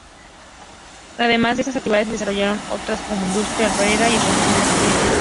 Además de estas actividades se desarrollan otras como industria alfarera y establecimientos turísticos.